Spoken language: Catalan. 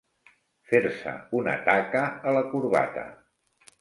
Fer-se una taca a la corbata.